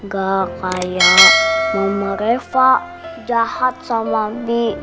gak kayak mama reva jahat sama abi